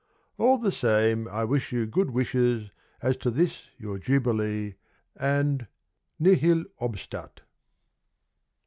All the same, I wish you good wishes As to this your Jubilee And Nihil obstat.